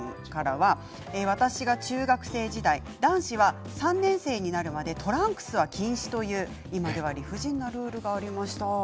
私が中学生時代男子は３年生になるまでトランクスは禁止という理不尽なルールがありました。